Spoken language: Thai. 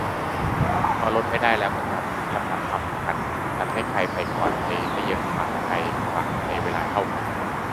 พอลดไม่ได้แล้ว ก็กลับมาที่ลำดับความสำคัญ จะจัดให้ใครไปก่อน-ไปได้เยอะกว่า-ไกลกว่าในเวลาเท่ากัน